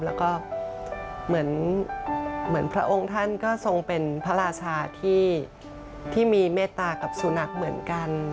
แล้วก็เหมือนพระองค์ท่านก็ทรงเป็นพระราชาที่มีเมตตากับสุนัขเหมือนกัน